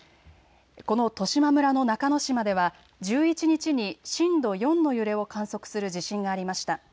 この十島村の中之島では１１日に震度４の揺れを観測する地震がありました。